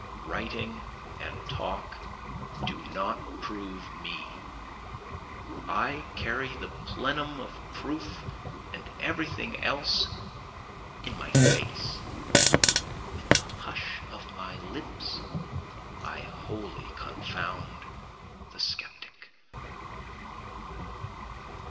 Writing and talk do not prove me, I carry the plenum of proof and every thing else in my face, With the hush of my lips I wholly confound the skeptic.